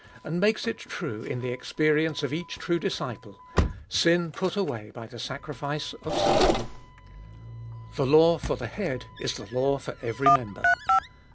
826 Cbe Doliest of mi experience of each true disciple — sin put away by the sacrifice of self. The law for the Head is the law for every member.